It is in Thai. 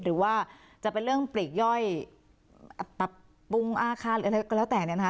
หรือว่าจะเป็นเรื่องปลีกย่อยปรับปรุงอาคารหรืออะไรก็แล้วแต่เนี่ยนะคะ